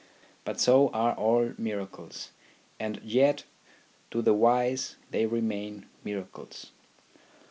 But so are all miracles, and yet to the wise they remain miracles.